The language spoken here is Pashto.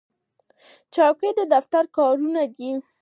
چوکۍ د دفتر کارکوونکي کاروي.